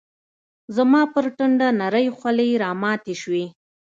زما پر ټنډه نرۍ خولې راماتي شوې